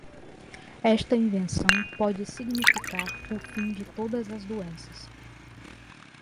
Esta invenção pode significar o fim de todas as doenças.